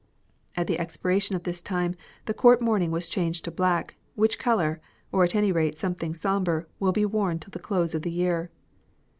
At the expiration of this time the Court mourn ing was changed to black, which colour, or at any rate something sombre, will be worn till the close of the year.